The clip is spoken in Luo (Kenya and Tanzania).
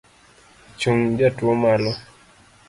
Chung jatuo malo